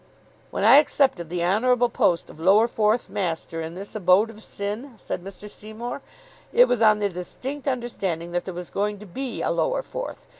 "When I accepted the honourable post of Lower Fourth master in this abode of sin," said Mr. Seymour, "it was on the distinct understanding that there was going to be a Lower Fourth.